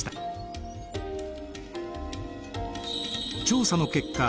調査の結果